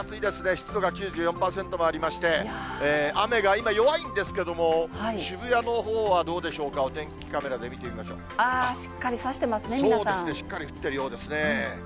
湿度が９４％もありまして、雨が今弱いんですけども、渋谷のほうはどうでしょうか、お天気カあー、しっかり差してますね、そうですね、しっかり降ってるようですね。